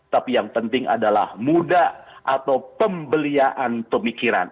tapi yang penting adalah muda atau pembeliaan pemikiran